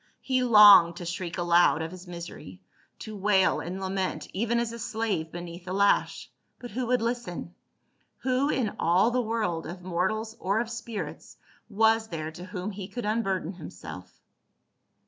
He longed to shriek aloud of THE PHYSICIAN AND THE EMPEROR. 101 his misery, to wail and lament even as a slave beneath the lash, but who would listen ? Who in all the world of mortals or of spirits was there to whom he could unburden himself?